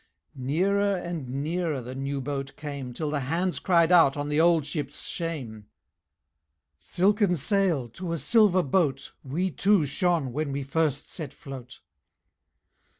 Nearer and nearer the new boat came, Till the hands cried out on the old ship's shame "Silken sail to a silver boat, We too shone when we first set float!"